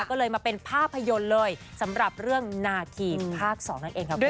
ก็เลยมาเป็นภาพยนตร์เลยสำหรับเรื่องนาคีภาค๒นั่นเองค่ะคุณ